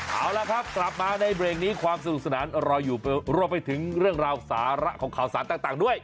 เอาละครับกลับมาในเบรกนี้ความสนุกสนานรออยู่รวมไปถึงเรื่องราวสาระของข่าวสารต่างด้วย